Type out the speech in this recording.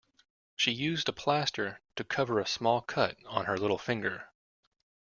She used a plaster to cover a small cut on her little finger